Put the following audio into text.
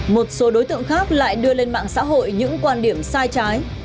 một số đối tượng khác lại đưa lên mạng xã hội những quan điểm sai trái